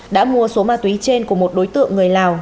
đã mua số ma túy trên của một đối tượng người lào